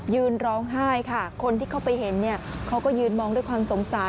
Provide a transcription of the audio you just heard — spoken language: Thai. ยืนร้องไห้ค่ะคนที่เข้าไปเห็นเนี่ยเขาก็ยืนมองด้วยความสงสาร